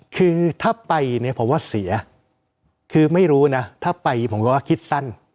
คือถ้าไปเนี่ยผมว่าเสียคือไม่รู้นะถ้าไปผมก็ว่าคิดสั้น